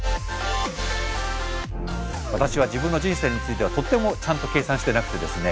私は自分の人生についてはとてもちゃんと計算してなくてですね。